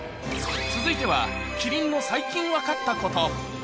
続いては、キリンの最近分かったこと。